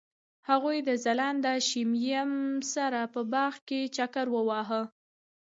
هغوی د ځلانده شمیم سره په باغ کې چکر وواهه.